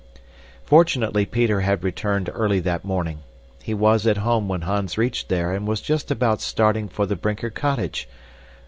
Fortunately Peter had returned early that morning. He was at home when Hans reached there and was just about starting for the Brinker cottage.